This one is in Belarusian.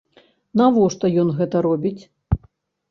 Навошта ён гэта робіць?